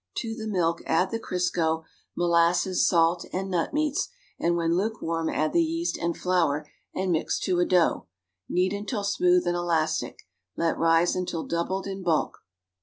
To the milk add the Crisco, molasses, salt and nut meats and when lukewarm add the yeast and flour and mix to a dough. Knead until smooth and elastic. Let rise until doubled in bulk.